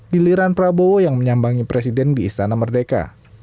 giliran prabowo yang menyambangi presiden di istana merdeka